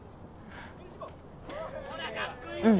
うん。